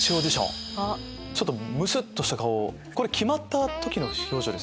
ちょっとムスっとした顔をこれ決まった時の表情ですか？